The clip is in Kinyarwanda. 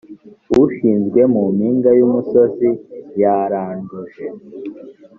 ushinzwe mu mpinga y umusozi yaranduje